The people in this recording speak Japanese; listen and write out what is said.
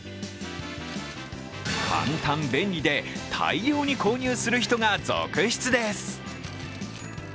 簡単便利で大量に購入する人が続出です。